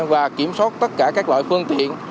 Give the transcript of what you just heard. và kiểm soát tất cả các loại phương tiện